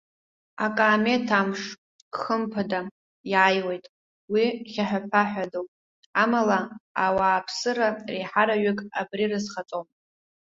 Акаамеҭ амш, хымԥада, иааиуеит, уи хьаҳәаԥаҳәадоуп! Амала ауааԥсыра реиҳараҩык абри рызхаҵом.